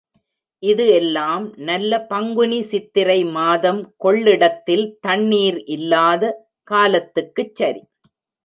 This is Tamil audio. இது எல்லாம் நல்ல பங்குனி சித்திரை மாதம் கொள்ளிடத்தில் தண்ணீர் இல்லாத காலத்துக்குச் சரி.